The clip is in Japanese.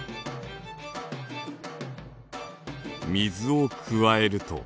水を加えると。